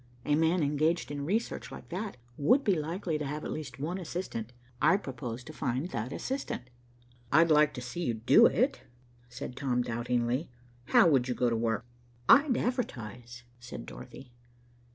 A man engaged in research like that would be likely to have at least one assistant. I propose to find that assistant." "I'd like to see you do it," said Tom doubtingly. "How would you go to work?" "I'd advertise," said Dorothy.